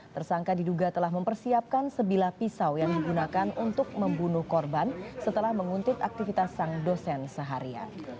tersangka diduga telah mempersiapkan sebilah pisau yang digunakan untuk membunuh korban setelah menguntit aktivitas sang dosen seharian